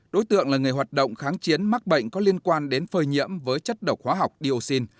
đối tượng là người hoạt động kháng chiến mắc bệnh có liên quan đến phơi nhiễm với chất độc hóa học dioxin